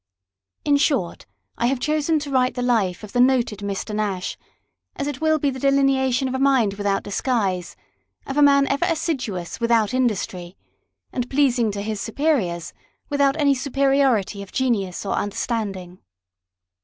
In short, I have chosen to write the life of the noted Mr. Nash, as it will be the delineation of a mind without disguise, of a man ever assiduous without industry, and pleasing to his superiors without any superiority of genius or understanding.